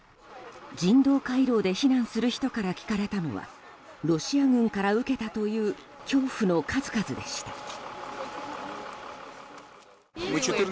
人道回廊で避難する人から聞かれたのはロシア軍から受けたという恐怖の数々でした。